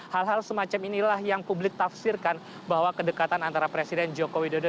hal hal semacam inilah yang publik tafsirkan bahwa kedekatan antara presiden joko widodo